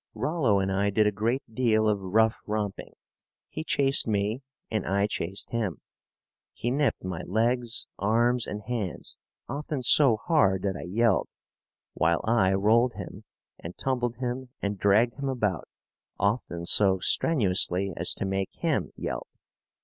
Rollo and I did a great deal of rough romping. He chased me and I chased him. He nipped my legs, arms, and hands, often so hard that I yelled, while I rolled him and tumbled him and dragged him about, often so strenuously as to make him yelp.